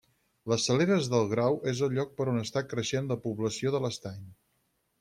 Les Saleres del Grau és el lloc per on està creixent la població de l'Estany.